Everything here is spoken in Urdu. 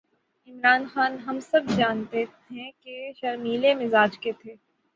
عمران خان، ہم سب جانتے ہیں کہ شرمیلے مزاج کے تھے۔